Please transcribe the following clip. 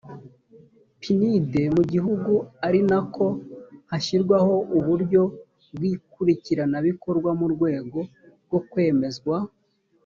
pnud mu gihugu ari nako hashyirwaho uburyo bw ikurikiranabikorwa mu rwego rwo kwemezwa